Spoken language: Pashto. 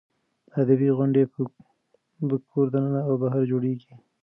ادبي غونډې په کور دننه او بهر جوړېږي.